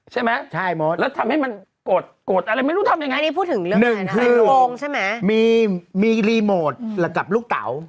ใช่ไหมแล้วทำให้มันกดอะไรไม่รู้ทำยังไงหนึ่งคือมีรีโมทหลักจากลูกเต๋า